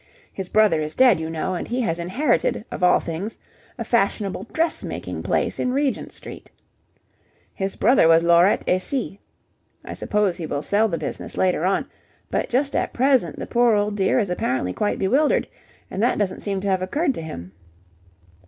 His brother is dead, you know, and he has inherited, of all things, a fashionable dress making place in Regent Street. His brother was Laurette et Cie. I suppose he will sell the business later on, but, just at present, the poor old dear is apparently quite bewildered and that doesn't seem to have occurred to him.